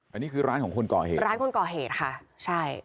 อันนี้คือร้านของคนก่อเหตุร้านคนก่อเหตุค่ะใช่